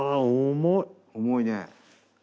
重いね。